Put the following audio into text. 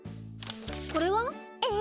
これは？え？